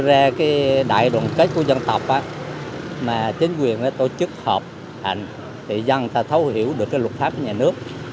sau cái đại đoàn kết của dân tộc mà chính quyền tổ chức hợp hành thì dân ta thấu hiểu được cái luật pháp nhà nước